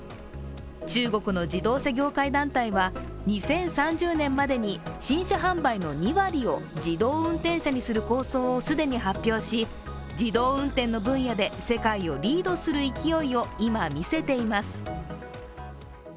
中国の自動車業界団体は２０３０年までに新車販売の２割を自動運転車にする構想を既に発表し、指導運転の分野で世界をリードする勢いを今、見せています。